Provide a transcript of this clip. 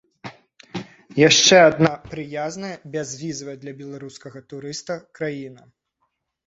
Яшчэ адна прыязная, бязвізавая для беларускага турыста краіна.